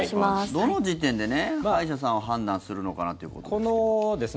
どの時点で歯医者さんは判断するのかなということです。